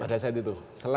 pada saat itu